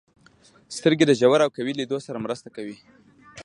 • سترګې د ژور او قوي لید سره مرسته کوي.